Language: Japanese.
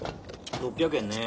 ６００円ね。